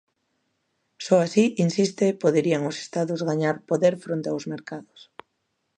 Só así, insiste, poderían os estados gañar poder fronte aos mercados.